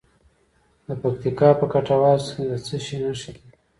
د پکتیکا په کټواز کې د څه شي نښې دي؟